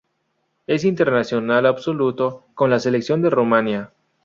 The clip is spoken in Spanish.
Es internacional absoluto con la Selección de Rumanía.